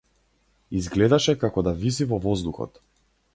Изгледаше како да виси во воздухот.